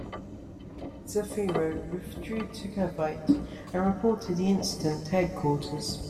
"Zafiro" withdrew to Cavite and reported the incident to headquarters.